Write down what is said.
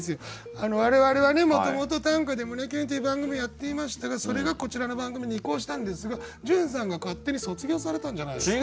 我々はもともと「短歌ｄｅ胸キュン」っていう番組をやっていましたがそれがこちらの番組に移行したんですが潤さんが勝手に卒業されたんじゃないですか。